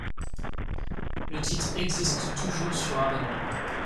Le titre existe toujours sur abonnement.